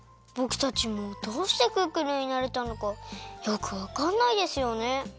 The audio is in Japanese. ぼくたちもどうしてクックルンになれたのかよくわかんないですよね。